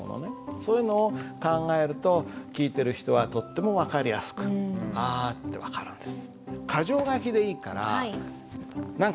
そういうのを考えると聞いてる人はとっても分かりやすく「あ」って分かるんです。